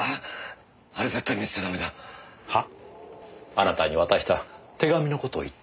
あなたに渡した手紙のことを言っています。